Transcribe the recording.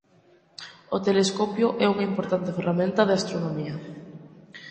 O telescopio é unha importante ferramenta de Astronomía.